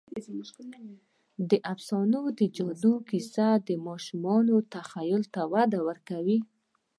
د افسانوي جادو کیسه د ماشومانو تخیل ته وده ورکوي.